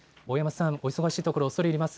お忙しいところ恐れ入ります。